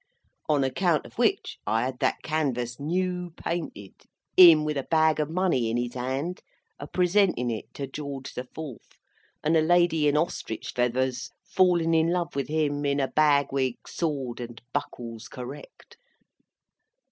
(On account of which, I had that canvass new painted, him with a bag of money in his hand, a presentin it to George the Fourth, and a lady in Ostrich Feathers fallin in love with him in a bag wig, sword, and buckles correct.)